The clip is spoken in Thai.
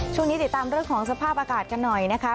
ช่วงนี้ติดตามเรื่องของสภาพอากาศกันหน่อยนะคะ